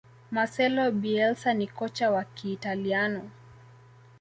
marcelo bielsa ni kocha wa Kiitaliano